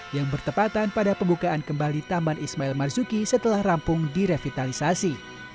yang bertepatan pada pembukaan kembali taman ismail marzuki setelah rampung direvitalisasi